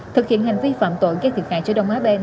thực hiện hành vi phạm tội gây thiệt hại cho đông á bên